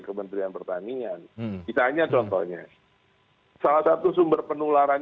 kementerian pertanian kita hanya contohnya salah satu sumber penularan